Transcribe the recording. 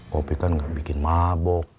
kopi kan nggak bikin mabok